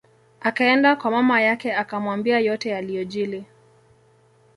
Akaenda kwa mama yake akamwambia yote yaliyojili